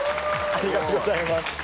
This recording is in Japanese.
ありがとうございます。